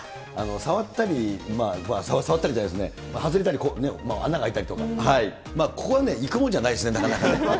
触ったり、触ったりじゃないですね、外れたり、穴が開いたりとか、ここはね、行くもんじゃないですね、なかなかね。